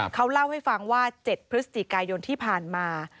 เขาเล่าให้ฟังว่า๗พฤศจิกายนที่ผ่านมา